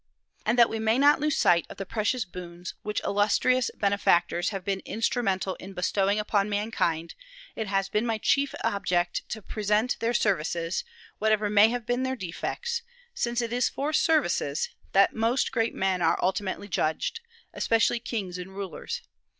And that we may not lose sight of the precious boons which illustrious benefactors have been instrumental in bestowing upon mankind, it has been my chief object to present their services, whatever may have been their defects; since it is for services that most great men are ultimately judged, especially kings and rulers.